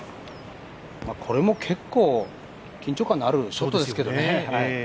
これも結構、緊張感のあるショットですけどね。